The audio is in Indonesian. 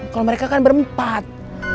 kalau mereka kan berempat